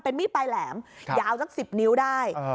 มีดปลายแหลมยาวสัก๑๐นิ้วได้